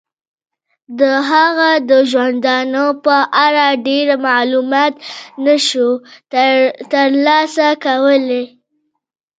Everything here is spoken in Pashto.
د هغه د ژوندانه په اړه ډیر معلومات نشو تر لاسه کولای.